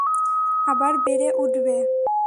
আবার বেড়ে উঠবে।